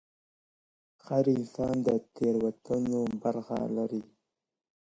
هر انسان د تیروتنو برخه لري.